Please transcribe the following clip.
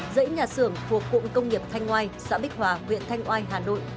dẫy nhà xưởng thuộc cụm công nghiệp thanh ngoai xã bích hòa huyện thanh ngoai hà nội